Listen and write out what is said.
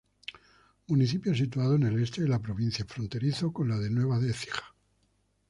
Municipio situado en el este de la provincia, fronterizo con la de Nueva Écija.